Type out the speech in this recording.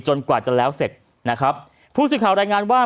กว่าจะแล้วเสร็จนะครับผู้สื่อข่าวรายงานว่า